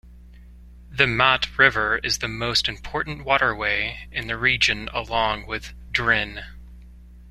The Mat river is the most important waterway in the region along with Drin.